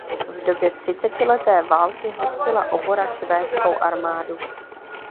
V době třicetileté války hostila obora švédskou armádu.